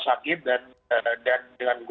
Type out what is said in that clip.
sakit dan dengan